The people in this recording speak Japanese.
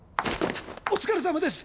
お疲れさまです